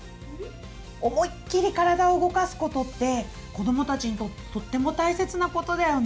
思いっきり体を動かすことって子どもたちにとってとっても大切なことだよね。